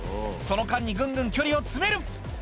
その間にぐんぐん距離を詰める！